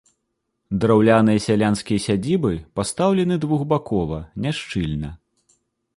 Драўляныя сялянскія сядзібы пастаўлены двухбакова, няшчыльна.